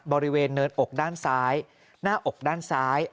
บริเวณเนินอกด้านซ้ายหน้าอกด้านซ้าย